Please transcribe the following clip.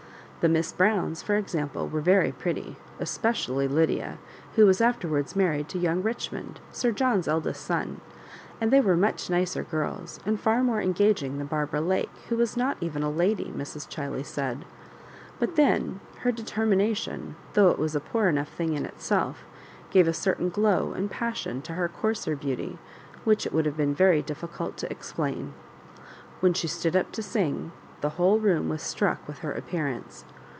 The Miss Browns, for ex ample, were very pretty, especially Lydia, who was afterwards married to young Richmond, Sir John's eldest son; and they were much nicer girls, and far more engaging than Barbara Lake, who was not even a lady, Mr& Ghiley said. But then her determination, though it was a poor enough thing in itself, gave a certain glow and passion to her coarser beauty which it would* have been very difficult to explain. When she stood up to fiing, the whole room was struck with her appearance.